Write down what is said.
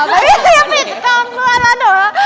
เอามาพิกษ์ต้องด้วยแล้วหนูว่า